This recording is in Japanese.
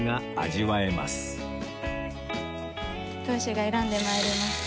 当主が選んで参りました。